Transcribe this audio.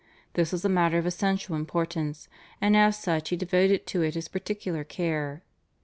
This was a matter of essential importance, and as such he devoted to it his particular care.